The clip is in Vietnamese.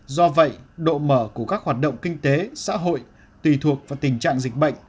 do vậy độ mở của các hoạt động kinh tế xã hội tùy thuộc vào tình trạng dịch bệnh